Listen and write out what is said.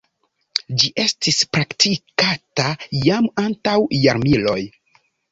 Ĝi estis praktikata jam antaŭ jarmiloj.